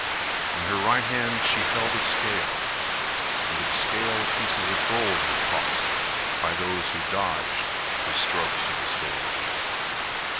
In her right hand she held a scale; Into the scale pieces of gold were tossed By those who dodged the strokes of the sword.